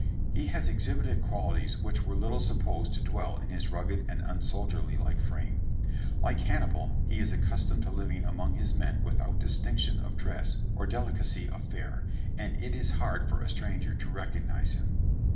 He has exhibited qualities which were little supposed to dwell in his rugged and unsoldier like frame. Like Hannibal he is accustomed to living among his men without distinction of dress or delicacy of fare, and it is hard for a stranger to recognize him.